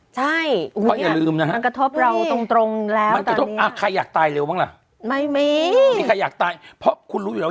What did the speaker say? ใช่มันก็อย่าลืมนะฮะมันกระทบเราตรงแล้วตอนนี้ไม่มีใครอยากตายเพราะคุณรู้อยู่แล้ว